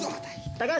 高橋！